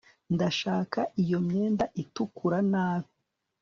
ndashaka iyo myenda itukura nabi